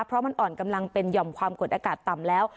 เพราะมันอ่อนกำลังเป็นหย่อมความกดอากาศต่ำแล้ว